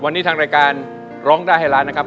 วันนี้ทางรายการร้องได้ให้ล้านนะครับ